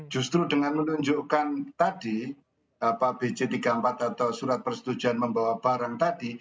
justru dengan menunjukkan tadi bj tiga puluh empat atau surat persetujuan membawa barang tadi